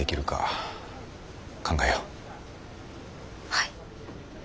はい。